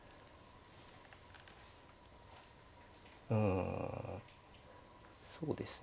うんそうですね